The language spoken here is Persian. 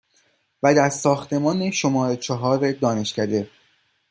و در ساختمان شماره چهار دانشکده،